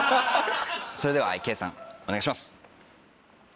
それでは圭さんお願いします。